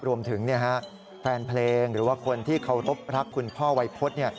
รวมถึงแฟนเพลงหรือว่าคนที่เคารพรักคุณพ่อวัยพฤษ